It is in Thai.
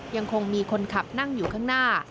ยังคงมีคนขับนั่งอยู่ข้างหน้า